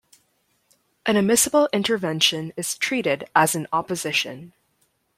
An admissible intervention is treated as an opposition.